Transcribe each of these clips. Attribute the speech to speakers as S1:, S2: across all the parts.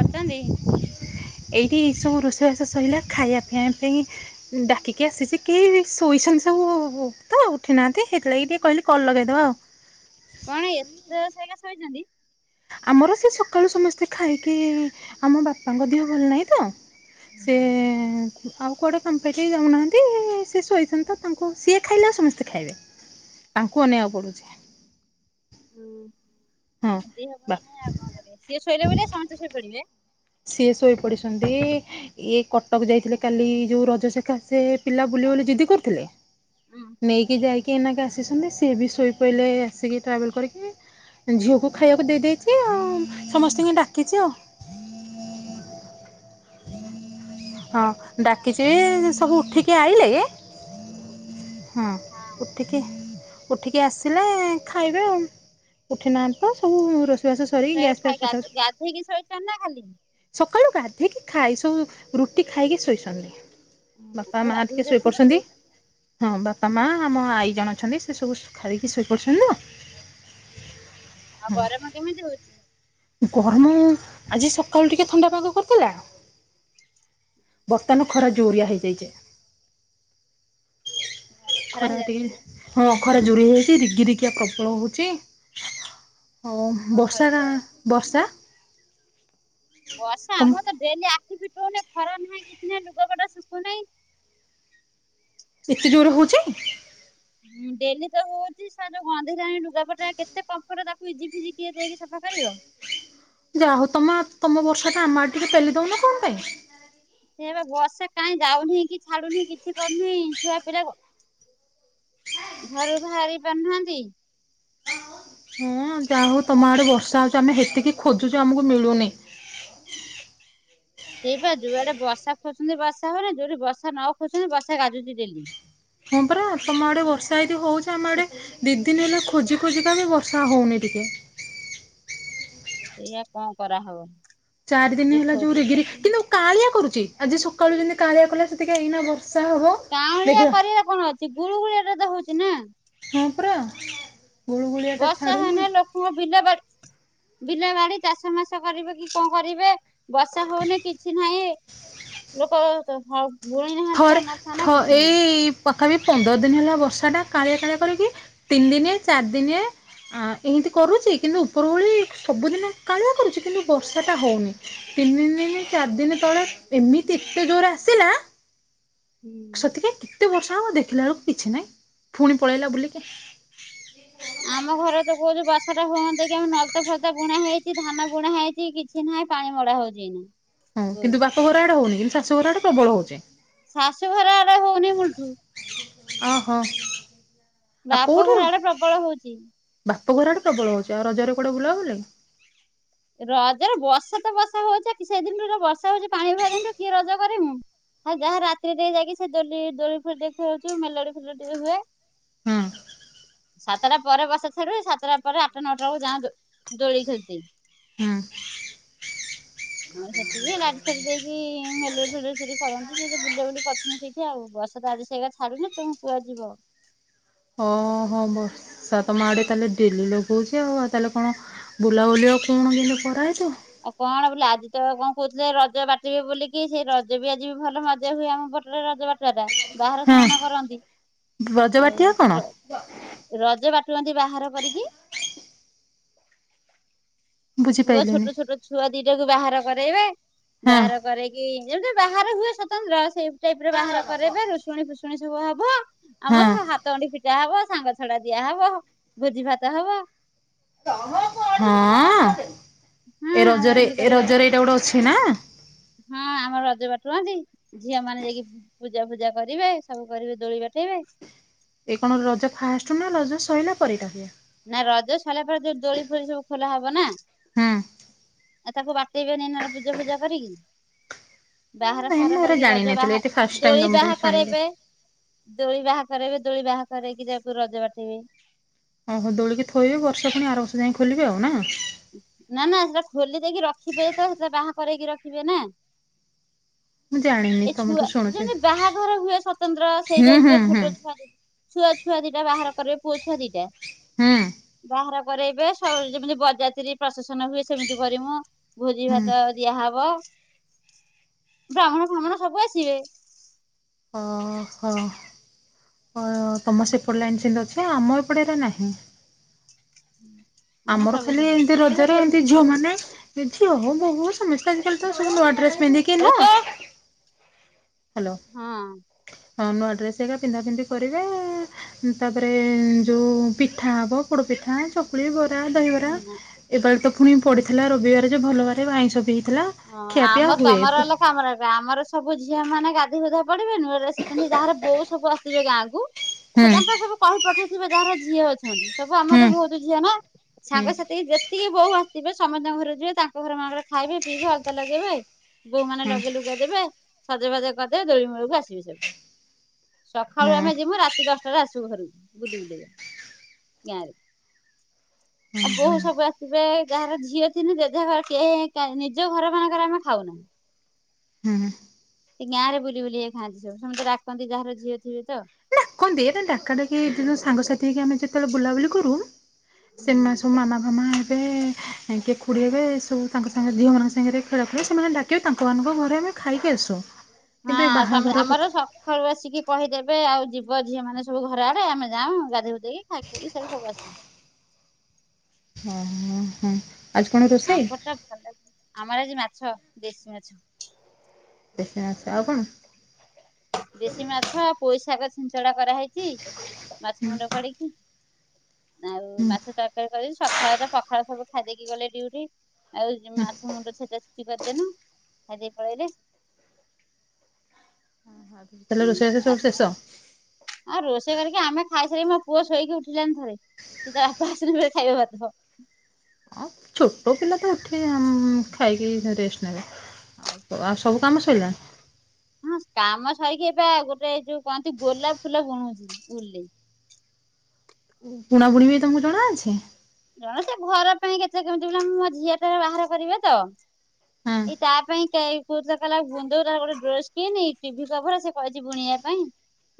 S1: କରୁଚନ୍ତି।
S2: ଏଇଠି ସବୁ ରୋଷେଇବାସ ସଇଲା ଖାଇବା ପିଇବା ପାଇଁ ଡାକିକି ଆସିଚି କେହି ଶୋଇଛନ୍ତି ସବୁ ତ ଉଠି ନାହାନ୍ତି। ସେଇଥିଲାଗି ଟିକେ କହିଲି କଲ୍ ଲଗାଇଦେବା ଆଉ।
S1: କଣ ଏତେ [unintelligible] ଶୋଇଛନ୍ତି?
S2: ଆମର ସେ ସକାଳୁ ସମସ୍ତେ ଖାଇକି ଆମ ବାପାଙ୍କ ଦେହ ଭଲ ନାହିଁ ତ ସେ ଆଉ କୁଆଡ଼େ କାମ ପାଇ ଟିଏ ଯାଉନାହାନ୍ତି, ସିଏ ଶୋଇଛନ୍ତି ତ ତାଙ୍କୁ ସିଏ ଖାଇଲେ ଆଉ ସମସ୍ତେ ଖାଇବେ। ତାଙ୍କୁ ଅନେଇବାକୁ ପଡ଼ୁଚି। ହଁ
S1: ଦିହ ଆଉ
S2: ବା
S1: କଣ କରିବେ। ସିଏ ଶୋଇଲେ ବୋଲି ଆଉ ସମସ୍ତେ ଶୋଇ ପଡିବେ।
S2: ସିଏ ଶୋଇ ପଡିଛନ୍ତି। ଇଏ କଟକ ଯାଇଥିଲେ କାଲି ଯୋଉ ରଜ ସେକାସେ ପିଲା ବୁଲିବେ ବୋଲି ଜିଦି କରୁଥିଲେ ନେଇକି ଯାଇକି ଏଇନାକେ ଆସିସନ୍ତି। ସିଏ ବି ଶୋଇପଡ଼ିଲେ ଆସିକି ଟ୍ରାଭେଲ୍ କରିକି। ଝିଅକୁ ଖାଇବାକୁ ଦେଇ ଦେଇଚି। ଆଉ ସମସ୍ତଙ୍କୁ ଡାକିଚି ଆଉ।
S1: [inaudible]
S2: ହଁ
S1: ଏଇଆ
S2: ଡାକିଚି ସବୁ ଉଠିକି ଆଇଲେ। ହଁ। ଉଠିକି ଉଠିକି ଆସିଲେ ଖାଇବେ ଆଉ। ଉଠିନାହାନ୍ତି ତ, ସବୁ ରୋଷେଇବାସ ସରିିକି
S1: ଫେରେ
S2: ଗ୍ୟାସ୍
S1: ଖାଇ
S2: ଫ୍ୟାସ୍ ପୋଛା ପୋଛି
S1: ଗାଧେଇକି ଶୋଇଛନ୍ତି ନା ଖାଲି?
S2: ସକାଳୁ ଗାଧୋଇକି ଖାଇ ସବୁ ରୁଟି ଖାଇକି ଶୋଇଛନ୍ତି। ବାପା,
S1: ସବୁ
S2: ମା
S1: ଗାଧେଇ
S2: ଟିକେ
S1: ଗୁଧାକି ତ
S2: ଶୋଇପଡିଛନ୍ତି।
S1: ଶୋଇଛନ୍ତି
S2: ହଁ। ବାପା, ମା ଆମ ଆଈ ଜଣେ ଅଛନ୍ତି ସେ ସବୁ ଖାଇକି ଶୋଇପଡିଛନ୍ତି ଆଉ।
S1: ଆଉ ଗରମ କେମିତି ହଉଚି?
S2: ଗରମ ଆଜି ସକାଳୁ ଟିକେ ଥଣ୍ଡା ପାଗ କରିଥିଲା। ବର୍ତ୍ତମାନ ଖରା ଜୋରିଆ ହେଇଯାଇଚି।
S1: ଖରା ହେଲାଣି
S2: ଖରାଟିକେ
S1: ଖାଲି
S2: ହଁ ଅଖରେ ଜୋରି ହେଇଛି, ରଗି ରିକିଆ ପ୍ରବଳ ହଉଛି। ହଉ
S1: କଣ
S2: ବର୍ଷା
S1: କରିବ
S2: ଗା
S1: ଆଉ।
S2: ବର୍ଷା
S1: ବର୍ଷା
S2: ତମ
S1: ଆମର ତ ଡେଲି ଆଖି ଫିଟଉନି, ଖରା ନାହିଁ, କିଛି ନାହିଁ, ଲୁଗାପଟା ଶୁଖୁନାହିଁ।
S2: ଏତେ ଜୋର ହଉଛି?
S1: ହୁଁ ଡେଲି ତ ହଉଛି, ସ ଗନ୍ଧ ଯାଏଁ ଲୁଗାପଟା, କେତେ କୋଂଫୋର୍ଟ ତାକୁ ଇଜି ଫିଜି କିଏ ଦେଇକି ସଫା କରିବ।
S2: ଯା ହଉ ତମ ତମ ବର୍ଷା ଟା ଆମ ଆଡ ଟିକେ ପେଲି ଦଉନ କଣ ପାଇଁ?
S1: ସେବେ ବର୍ଷା କାଇଁ ଯାଉନାହିଁ, କି ଛାଡୁନାହିଁ, କିଛି କରୁନାହିଁ, ଛୁଆ ପିଲା ଘରୁ ବାହାରି ପାରୁନାହାନ୍ତି।
S2: ହଁ ଯାହା ହଉ ତମ ଆଡ଼େ ବର୍ଷା ହେଉଛି, ଆମେ ସେତିକି ଖୋଜୁଛୁ ଆମକୁ ମିଳୁନି।
S1: ସେଇପା ଯୋଉଆଡେ ବର୍ଷା ଖୋଜୁଛନ୍ତି, ବର୍ଷା ହଉନାଇଁ, ଯୋଉଠି ବର୍ଷା ନ ଖୋଜୁଛନ୍ତି ବର୍ଷା ଗାଜୁଛି ଡେଲି।
S2: ହଁ ପରା ତମ ଆଡେ ବର୍ଷା ଏଦି ହଉଛି ଆମେ ଆଡେ ଦୁଇ ଦିନ ହେଲା ଖୋଜି ଖୋଜିକା ବି ବର୍ଷା ହେଉନି ଟିକେ।
S1: ସେଇଆ କଣ କରାହବ।
S2: ଚାରି ଦିନ
S1: ଯେ
S2: ହେଲା ଯୋଉରେଗିରି
S1: ଖୋଜୁଛନ୍ତି
S2: କିନ୍ତୁ କାଳିଆ କରୁଛି, ଆଜି ସକାଳୁ ଯେମତି କାଳିଆ କଲା ସେତିକି ଏଇନା ବର୍ଷା ହବ।
S1: କାଉଁଳିଆ
S2: ଦେଖିବା
S1: କରିବାଟା କଣ ଅଛି ଗୁଳୁଗୁଳି ଏଟା ତ ହଉଛି ନା।
S2: ହଁ ପରା। ଗୁଳୁଗୁଳିଆ ଟା
S1: ବର୍ଷା
S2: ଛାଡୁନି।
S1: ହେନେ ଲୋକଙ୍କ ବିଲ ବାଡି ବିଲ ବାଡ଼ି ଚାଷ ମାସ କରିବେ କି କଣ କରିବେ, ବର୍ଷା ହଉନି କିଛି ନାହିଁ। ଲୋକ ଭୁଣି ନାହାନ୍ତି ଧନ ଫାନ କିଛି ନାଁ
S2: ତଥାପି ପନ୍ଦର ଦିନ ହେଲା ବର୍ଷା ଟା, କାଳିଆ କାଳିଆ କରିକି ତିନି ଦିନି, ଚାରି ଦିନେ ଆ ଏମିତି କରୁଛି, କିନ୍ତୁ ଉପର ଉଳି, ସବୁଦିନ କାଳିଆ କରୁଛି, କିନ୍ତୁ ବର୍ଷା ଟା ହଉନି। ତିନିି ଦିନ, ଚାରଦିନ ତଳେ ଏମିତି ଏତେ ଜୋର ରେ ଆସିିଲା
S1: ହୁଁ।
S2: ସେତିକି କେତେ ବର୍ଷ ହବ ଦେଖିଲା ବେଳକୁ କିଛି ନାହିଁ, ପୁଣି ପଳେଇଲା ବୁଲିକି।
S1: ଆମ ଘରେ ତ କୋହୁଛୁ ବର୍ଷା ଟା ହୁଅନ୍ତତା କି, ଆମ ନଳତା ଫଲତା ବୁଣା ହେଇଛି, ଧାନ ବୁଣା ହେଇଛି କିଛି କିଛି ନାଇଁ ପାଣି ଗଡା଼ ହଉଛି ଏଇନି।
S2: ହଁ କିନ୍ତୁ ବାପ ଘର ଆଡେ ହଉନି, କିନ୍ତୁ ଶାଶୁ ଘର ଆଡେ ପ୍ରବଳ ହଉଛି।
S1: ଶାଶୁଘର ଆଡେ ହଉନି ମୁଳଠୁ।
S2: ଓହୋ।
S1: ବାପଘର ଆଡେ ପ୍ରବଳ ହଉଛି।
S2: ବାପଘର ଆଡେ ପ୍ରବଳ ହଉଛି, ଆଉ ରଜରେ କୁଆଡ଼େ ବୁଲା ହଉନି?
S1: ରଜରେ ବର୍ଷା ତ ବର୍ଷା ହଉଛି, ସେଇ ଦିନରୁୁ ବର୍ଷା ହଉଚଛି ପାଣି ଭ ଦିନୁ କି ରଜ କରିମୁ। ଆଉ ଯାହା ରାତିରେ ଯାଇକି, ସେ ଦୋଲି ଦୋଳୀ ଫୁଳୀ ଖେଳଚୁ, ମେଲଡି ଫେଲଡି ହୁଏ। ସାତଟା ପରେ ବର୍ଷା ଛାଡିବ, ସାତଟା ପରେ ଆଠଟା, ନଅଟା ବେଳକୁ ଯାଁ ଦୋଳି ଖେଳତି।
S2: ହଁ।
S1: ଆମର ସେତିକି, ରାଜ ଫଡି ଦେଇକି ମେଲ ଫେଲ ସେଠି କରନ୍ତି ସେ ବୁଲା ବୁଲି କରି ସେଠି ଆଉ ବର୍ଷା ତ ଆଜି ସେଇା ଛାଡୁ ନା ତମ କୁଆଡେ ଯିବ।
S2: ହଁ।
S1: କରିତେ।
S2: ବର୍ଷା ତମ ଆଡେ ତାହେଲେ ଡେଲି ଲଗଉଛି ଆଉ ତାହେଲେ କଣ ବୁଲାବୁଲି ଆଉ କଣ କିନ୍ତୁ କରାହେଇଥିବ।
S1: ଆଉ କଣ ବୋଲେ ଆଜି ତ କଣ କହୁଥିଲେ ରଜ ବାଟିବେ ବୋଲିକି, ସେଇ ରଜ ବି ଆଜି ଭଲ ମଜା ହୁଏ ଆମ ରଜ ବାଟ ଟା, ବାହାର
S2: ହଁ
S1: ସେମାନ କରନ୍ତି।
S2: ବ୍ରଜବାଟିଆ
S1: ଆଉ
S2: କଣ
S1: ସେ ରଜ ବାଟୁଅନ୍ତି ବାହାର କରିକି ପୁଅ
S2: ବୁଝିପାଇଲିନି
S1: ଛୋଟ ଛୋଟ ଛୁଆ ଦିଟାକୁ ବାହାର କରେଇବେ,
S2: ହଁ
S1: ବାହାର କରେଇକି ଯେମତି ବାହାରେ ହୁଏ ସ୍ଵତନ୍ତ୍ର ସେଇ ଟାଇପିର ବାହାର କରେଇବେ ରୁଷୁଣୀ ଫୁଷୁନି ସବୁ ହବ।
S2: ହଁ
S1: ଆମର ହାତ ଗଣ୍ଡି ଫିଟା ହବ ସାଙ୍ଗ ଛଡା ଦିଆ ହବ ଭୋଜି ଭାତ ହବ।
S2: ହଁ
S1: ହଁ
S2: ଏ
S1: ଆମର
S2: ରଜରେ
S1: ଏମିତି କରି
S2: ଏ
S1: ରଜ
S2: ରଜରେ ଏଇଟା ଗୋଟେ ଅଛି ନା।
S1: ହଁ ଆମର ରଜ ବାଟୁହନ୍ତି। ଝିଅ ମାନେ ଯାଇକି ପୂଜା ଫୂଜା କରିବେ ସବୁ କରିବେ ଦୋଳି ବାଠେଇବେ।
S2: ଏ କଣ ରଜ ଫାଷ୍ଟୁ ନା ରଜ ସରିଲା ପରେଟା ହୁଏ?
S1: ନା ରଜ ସରିଲା ପରେ ଯୋ ଦୋଳି ଫୋଳି ସବୁ ଖୋଲା ହବ ନା।
S2: ହୁଁ
S1: ଆ ତାକୁ ବାଟେଇବେନି ନା ପୂଜା ଫୂଜା କରିକି। ବାହାର
S2: ନାଇଁ
S1: ଫାହାର
S2: ମୁଁ ଏରା
S1: କରିକି ରଜ
S2: ଜାଣିନଥିଲି
S1: ବାହା
S2: ଏଇଠି ଫାଷ୍ଟ ଟାଇମ୍
S1: ଦୋଳି
S2: ତମ ପାଇଁ
S1: ବାହା
S2: ଶୁଣିଲି
S1: କରାଇବେ। ଦୋଳି ବାହା କରାଇବେ ଦୋଳି ବାହା କରରେଇକି ଯକୁ ରଜ ବାଟେଇବି [unintelligible]
S2: ଓହୋ ଦୋଳିକି ଥୋଇବେ ବର୍ଷେ ପୁଣି ଆର ବର୍ଷ ଯାଇ ଖୋଲିବେ ଆଉ ନା।
S1: ନା ନା ସେଟା ଖୋଲି ଦେଇକି ରଖିବେ ତ ସେଟା ବାହା କରେଇକି ରଖିବେ ନା।
S2: ମୁଁ ଜାଣିନି
S1: ଏ
S2: ତମଠୁ
S1: ଛୁଆ
S2: ଶୁଣୁଛି
S1: ଯେମିତି ବାହାଘର ହୁଏ ସ୍ଵତନ୍ତ୍ର ସେଇ
S2: ହୁଁ
S1: ଟାଇପ
S2: ହୁଁ
S1: ର
S2: ହୁଁ
S1: ଛୋଟ ଛୁଆ ଛୁଆଛୁଆ ଦିଟା ବାହାର କରିବେ ପୁଅ ଛୁଆ ଦିଟା।
S2: ହୁଁ [inaudible]
S1: ବାହାର କରରେଇବେ ସବୁ ଯେମିତି ବରଯାତ୍ରି ପ୍ରଶସନ ହୁଏ ସେମିତି କରିମୁ। ଭୋଜି
S2: ହୁଁ
S1: ଭାତ ଦିଆହବ ବ୍ରାହ୍ମଣ ଫ୍ରାମଣ ସବୁ ଆସିବେ।
S2: ଓ ହୋ ଅ ତମ ସେପଟ ଲାଇନ୍ ସେମତି ଅଛି ଆମ ଏପଟେ ଏରା ନାହିଁ।
S1: [inaudible]
S2: ଆମର
S1: ସବୁ
S2: ଖାଲି
S1: ସବୁ
S2: ଏମିତି ର ରେ ଏମିତି ଝିଅ ମାନେ ଝିଅ ହଉ ବୋହୁ ସମସ୍ତେ ଆଜିକାଲି ତ ସବୁ ନୂଆ ଡ୍ରେସ ପିନ୍ଧି
S1: ଏରା ତ
S2: [unintelligible] ହ୍ୟାଲୋ
S1: ହଁ
S2: ହଁ ନୂଆ ଡ୍ରେସ ଏକା ପିନ୍ଧା ପିନ୍ଧି କରିବେ। ହୁ ତାପରେ ଯୋଉ ପିଠା ହବ ପୋଡ ପିଠା ଚକୁଳି ବ ରହିବରା
S1: ନା
S2: ଏବାରେ ତ ପୁଣି ପଡିଥିଲା ରବିବାର ଯେ ଭଲ ବାରେ ଆଇଁଷ ବି ହେଇଥିଲା।
S1: ହ
S2: ଖିଆପିଆ
S1: ଆମ
S2: ହୁଏ।
S1: ତମର କାମରେ ଆମର ସବୁ ଝିଅ ମାନେ ଗାଧି ପାଦ୍ଧେଇ ପଡିବେ ନୂଆ ଡ୍ରେସ ପିନ୍ଧି ଯାହାର ବୋଉ ସବୁ ଆସିବେ ଗାଁ କୁ ସେ
S2: ହୁଁ
S1: ତାଙ୍କର ସବୁ କହି ପଠଉଥିବେ ଯାହାର ଝିଅ ଅଛନ୍ତି। ସବୁ ଆମର
S2: ହୁଁ
S1: ତ ବହୁତ ଝିଅ ନା।
S2: ହୁଁ
S1: ସାଙ୍ଗସାଥିକି ଯେତିକି ବୋହୁ ଆସିଥିବେ ସମସ୍ତଙ୍କ ଘରେ ଯିବେ ତାଙ୍କ ଘର ମାନଙ୍କରେ ଖାଇବେ। ବି ଭ ଅଳତା ଲଗେଇ ବ ଆଇ ବୋଉ ମାନେ
S2: ହୁଁ
S1: ଲଗେଇ ଲୁଗେଇ ଦେବେ ସଜ ବାଜ କରିଦେବେ ଦୋଳି ମୂଳକୁ ଆସିବେ ସବୁ। ସକାଳୁ ଆମେ
S2: ହୁଁ
S1: ଯିବୁ ରାତି ଦଶଟାରେ ଆସିବୁ ଘରକୁ ବୁଲି ବୁଲିକା। [unintelligible] ଆଉ ବୋହୁ ସବୁ ଆସିବେ ଯାହାର ଝିଅ ଥିଲେ [unintelligible] ଯୋଉ ଘର ମାନଙ୍କରେ ଆମେ ଖାଉନାହିଁ।
S2: ହୁଁ।
S1: ଏ ଗାଁରେ ବୁଲି ବୁଲିକି ଯାଇକି ଖାଆନ୍ତି ସବୁ ସମସ୍ତେ ଡ଼ାକନ୍ତି ଯାହାର ଝିଅଥିବେ ତ।
S2: [unintelligible] ଦିଏନା ସାଙ୍ଗସାଥି ହେ ଆମେ ଯେତେବେଳେ ବୁଲାବୁଲି କରୁ ସେମା ସମୁ ମାମା ଫାମା ହେବେ [unintelligible] କାଇଁକି ଖୋଡ଼ି ହେବେ ଏସବୁ ତାଙ୍କ ସାଙ୍ଗ ଝିଅ ମାନଙ୍କ ସାଙ୍ଗରେ ଖେଳା ଖେଳି ସେମାନେ ଡାକିବେ ତାଙ୍କମାନଙ୍କ ଘରେ ଆମେ ଖାଇକି ଆସୁ।
S1: ହଁ
S2: କିନ୍ତୁ ଏ
S1: ସମ୍
S2: ବାହାଘର
S1: ଆମର
S2: କଥା
S1: ସ୍ ସକାଳୁ ଆସିକି କହିଦେବେ ଆଉ ଯିବ ଝିଅ ମାନ ସବୁ ଘର ଆଡେ ଆମେ ଯାଉ ଗାଧୋଇ ବୁଧେଇକି ଖାଇପିଇକି ସେଠୁ ସବୁ ଆସିବୁ।
S2: ହଁ-ହଁ-ହଁ।
S1: ଆମ୍ପ ଟା ଭଲ [unintelligible] ଆମର ଆଜି ମାଛ ଦେଶୀ ମାଛ।
S2: ଦେଶୀ ମାଛ ଆଉ କଣ?
S1: ଦେଶୀ ମାଛ ପୋଇଶାଗ ଛିଞ୍ଚଡା କରାହେଇଚି ମାଛ ମୁଣ୍ଡ ପଡିକି। ଆଉ
S2: ହୁଁ
S1: ମାଛ ତରକାରୀ କରିି ଦେଇଚି, ସକାଳ ତ ପଖାଳ ସବୁ ଖାଇଦେଇକି ଗଲେ ଡିଉଟି। ଆଉ ଯ ମାଛ ମୁଣ୍ଡ ଛେଚା ଛେଚି କରିଦେନୁ ଖାଇଦେଇକି ପଳେଇଲେ।
S2: ତାହେଲେ
S1: [unintelligible]
S2: ରୋଷେଇବାସ ସବୁ ଶେଷ?
S1: ରୋଷେଇ କରିକି ଆମେ ଖାଇସାରି ମୋ ପୁଅ ଶୋଇକି ଉଠିଲାନି ଥରେ। ସିଏ ତା ବାପା ଆସିନେ ଫେର୍ ଖାଇବ ଭାତ।
S2: ଆଉ ଛୋଟ ପିଲା ତ ଉଠି ଉମ ଖାଇକି ରେଷ୍ଟ ନେବେ। ଆଉ ତ ଆ ସବୁ କାମ ସଇଲାଣି?
S1: ହଁ କାମ ସାରିକି ଏ ବା ଗୋଟେ ଯୋଉ କହନ୍ତି, ଗୋଲାପ ଫୁଲ ବୁଣୁଚି ଉଲ୍ ରେ।
S2: ବୁଣାବୁଣି ବି ତମକୁ ଜଣା ଅଛି?
S1: ଜଣ ସେ ଘର ପାଇଁ କେତେ କେମିତି ବୁଣେ ମୋ ଝିଅ ଟାରେ ବାହାର କରିବେ ତ।
S2: ହଁ
S1: ଏଇ ତା ପାଇଁ କେ କୋଉଥିଲା କଇଲା ବୁଣିଦବୁ, ତାର ଗୋଟେ ଡ୍ରେସ କିନି ଟିଭି କଭର ସେ କହିଚି ବୁଣିବା ପାଇଁ।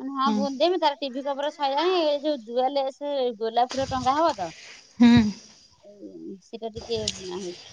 S1: ମୁଁ କନି ହଁ ବୁଣିଦେମ ତାର ଟିଭି କଭର ସଇଲାଣି। ଏଇ ଯୋଉ ଦୁଆଲେସେ ଗୋଲାପ ଫୁଲ ଟଙ୍ଗା ହବ ତ।
S2: ହୁଁ।
S1: ସେଟା ଟିକେ ବୁଣା ହଉଚି।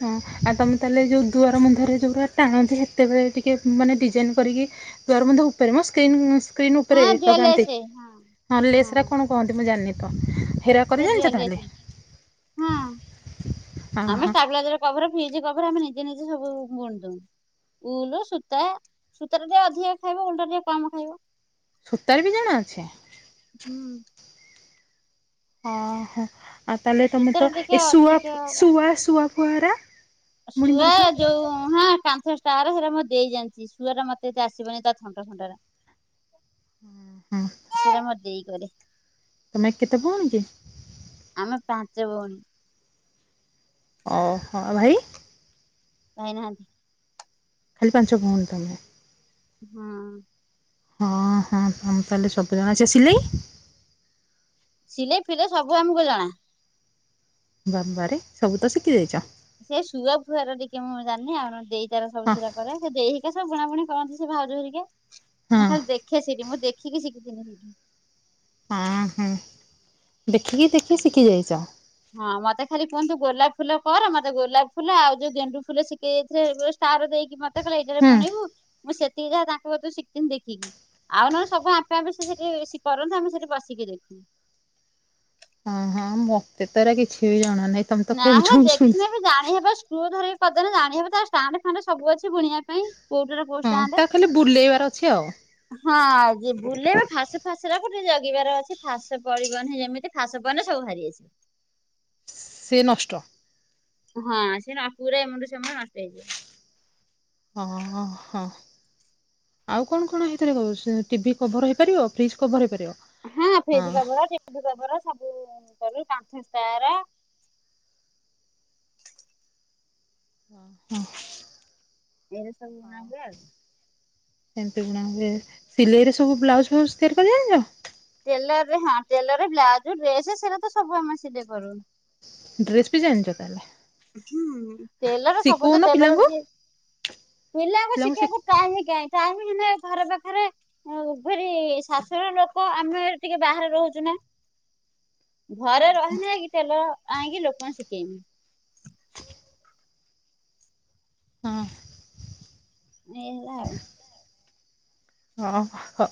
S2: ହଁ। ଆଉ ତମେ ତାହେଲେ ଯୋଉ ଦୁଆର ବନ୍ଧରେ ଯୌରା ଟାଣନ୍ତି ସେତେବେଳେ ଟିକେ ମାନେ ଡିଜାଇନ୍ କରିକି ଦୁଆର ବନ୍ଧ ଉପରେ ମ ସ୍କ୍ରିନ୍ ସ୍କ୍ରିନ୍ ଉପରେ
S1: ହଁ ଦୁଆ
S2: ଲଗାନ୍ତି।
S1: ଲେସ୍ ହଁ।
S2: ହଁ ଲେଶ୍ ରା କଣ କୁହନ୍ତି ମୁଁ ଜାଣିନି ତ। ହେରା କରି
S1: ସେ [unintelligible]
S2: ଜାଣିଛ ତାହେଲେ
S1: ହଁ
S2: ଅହ।
S1: ଆମ ଷ୍ଟାବେଲାଇଯର କଭର ଫିଜ କଭର ଆମେ ନିଜେ ନିଜେ ସବୁ ବୁଣୁଦମୁ। ଉଲୁ ସୂତା ସୂତାଟ ଟିକେ ଅଧିକ ଖାଇବ ଉଲଟା ଟିକେ କମ ଖାଇବ।
S2: ସୂତାରେ ବି ଜଣା ଅଛି।
S1: ହୁଁ।
S2: ଓହୋ ଆଉ ତାହେଲେ ତମେ ତ
S1: ସୂତାଟା ଟିକେ
S2: ଏ ଶୁଆ
S1: ଅଧିକ
S2: ଶୁଆ ଶୁଆ ଫୁଆରା? ବୁଣି
S1: ଶୁଆ
S2: ପାରୁଛ?
S1: ଯୋଉ ହଁ ହଁ କାନ୍ଥ ଷ୍ଟାର୍ ସେରା ମୋ ଦେଇ ଯାଣିଚି, ଶୁଆ ଟା ମତେ ଏ ଆସିବନି ତା ଥଣ୍ଟ ଫଣ୍ଟାରା।
S2: ହୁଁ ହୁଁ।
S1: ସେରା ମୋ ଦେଇ କରେ।
S2: ତମେ କେତେ ଭଉଣି କି?
S1: ଆମେ ପାଞ୍ଚ ଭଉଣୀ।
S2: ଓହୋ। ଭାଇ?
S1: ଭାଇ ନାହାନ୍ତି।
S2: ଖାଲି ପାଞ୍ଚ ଭଉଣୀ ତାହେଲେ?
S1: ହୁଁ।
S2: ହଁ ହଁ ତମୁ ତାହେଲେ ସବୁ ଜଣା ଅଛି। ଆ ସିଲେଇ?
S1: ସିଲେଇ ଫିଲେଇ ସବୁ ଆମକୁ ଜଣା।
S2: ବାବାରେ ସବୁ ତ ଶିଖିଦେଇଚ।
S1: ସେ ସୁୁଆ ଫୁଆର ଟିକେ ମୁଁ ଜାନନି ଆଉ ନନେ ଦେଇ ତାର ସବୁ
S2: ହଁ
S1: ସେରା କରେ। ସେ ଦେଇ ଏ ସବୁ ବୁଣାବୁଣି କରନ୍ତି ସେ ଭାଉଜ ହେରିକା। ମୁଁ
S2: ହଁ।
S1: ଖାଲି ଦେଖେ ସେଇଠି ମୁଁ ଦେଖିକି ଶିଖିଥିଲି ସେଇଠି।
S2: ହଁ ହୁଁ। ଦେଖିକି ଦେଖି ଶିଖି ଯାଇଚ?
S1: ହଁ ମତେ ଖାଲି କୁହନ୍ତୁ ତୁ ଗୋଲାପ ଫୁଲ କର। ମତେ ଗୋଲାପ ଫୁଲ ଆଉ ଯୋଉ ଗେଣ୍ଡୁ ଫୁଲ ଶିଖେଇ ଦେଇଥିଲେ ଷ୍ଟାର ଦେଇକି ମ ତେ କହିଲେ ଏଇଟରେ
S2: ହୁଁ।
S1: ବୁଣିବୁ। ମୁଁ ସେତୀକି ଯାହା ତାଙ୍କକତରୁ ଶିଖିଥିନି ଦେଖିକି। ଆଉ ନହେନେ ସବୁ ଆପେ ଆପେ ସେ ସେଠି କରନ୍ତି ଆମେ ସେଠି ବସିକି ଦେଖୁ।
S2: ହଁ ହଁ ମତେତ ଏରା କିଛିବି ଜଣା ନାହିଁ। ତମେ ତ
S1: ନା
S2: କହୁଛ
S1: ହେରା
S2: ମୁଁ ଶୁଣୁଛି।
S1: ଦେଖିନେବି ଜାଣି ହବ ସୁ ଇଏ ଧରିକି କରିଦେନେ ଜାଣି ହବ ତାଷ୍ଟାଣ୍ଡ ଫାଣ୍ଡ ସବୁ ଅଛି ବୁଣିବା ପାଇଁ। କୋଉଟାର କୋଉ
S2: ହଁ
S1: ଷ୍ଟାଣ୍ଡ
S2: ତାକୁ ଖାଲି ବୁଲେଇବାର ଅଛି ଆଉ।
S1: ହଁ ଯେ ବୁଲେଇବା ଫାସ ଫାସରାକୁ ଟିକେ ଜଗିବାର ଅଛି ଫାସ ପଡ଼ିବନିଁ ଯେମିତି ଫାସ ପଇନେ ସବୁ ବାହାରି ଆସିବ।
S2: ସେ ନଷ୍ଟ।
S1: ହଁ ସେ ନ ପୁରା ଏମୁଡୁ ସେମୁଡୁ ନଷ୍ଟ ହେଇଯିବ।
S2: ହଁ ହଁ। ଆଉ କଣ କଣ ହେଇଥିରେ କ ଟିଭି କଭର ହେଇପାରିବ ବ୍ରିଜ୍ କଭର ହେଇପାରିବ
S1: ହଁ ଫ୍ରିଜ୍ କଭର ଟିଭି କଭର ସବୁ କରି କାନ୍ଥ ସ୍କାର୍।
S2: ହୁଁ।
S1: ଏଇରା ସବୁ ବୁଣା ହୁଏ ଆଉ।
S2: ସେମିତି ବୁଣା ହୁଏ ସିଲେଇରେ ସବୁ ବ୍ଲାଉଜ୍ ଫ୍ଲାଉଜ୍ ତିଆରି କରି ଜାଣିଚ?
S1: ଟେଲରରେ ହଁ ଟେଲରରେ ବ୍ଲାଉଜ୍ ଡ୍ରେସ୍ ସେଇରାତ ସବୁ ଆମେ ସିଲେଇ କରୁ।
S2: ଡ୍ରେସ ବି ଜାଣିଛ ତାହେଲେ
S1: ହୁଁ ଟେଲର
S2: ଶିଖଉନ
S1: ସବୁତ ଟେଲର
S2: ପିଲାଙ୍କୁ
S1: ଯିଏ ପିଲାଙ୍କୁ ସିଖିଇବାକୁ ଟାଇମ୍ କାହିଁ ଟାଇମ୍ ହେଲେ ଘରେ ପାଖରେ ଉଁ ଫେରି ଶାଶୁଘର ଲୋ ତଆମେ ଟିକେ ବାହାରେ ରହୁଚୁନା ଘରେ ରହିନେ ଇ ଟେଲର ଆଣିକି ଲୋକଙ୍କୁ ଶିକେଇମି।
S2: ହଁ।
S1: ଏଇ ହେଲା ଆଉ।
S2: ହଁ ହ।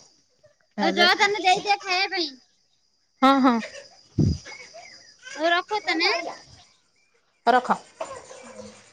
S1: ଆଉ ଜତାନେ ଦେଇଦିଅ ଖାଇବା ପାଇଁ?
S2: ହଁ ହଁ। [inaudible]
S1: ହଉ ରଖୁଚି ତାନେ?
S2: ରଖ।
S1: [unintelligible]